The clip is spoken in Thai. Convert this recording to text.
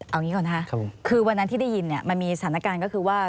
เอางี้ก่อนนะคะคือวันนั้นที่ได้ยินเนี่ยมันมีสถานการณ์ก็คือว่า